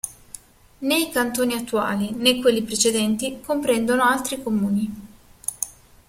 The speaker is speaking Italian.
Né i cantoni attuali né quelli precedenti comprendono altri comuni.